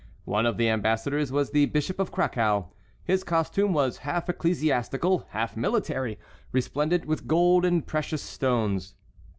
One of the ambassadors was the Bishop of Cracow. His costume was half ecclesiastical, half military, resplendent with gold and precious stones.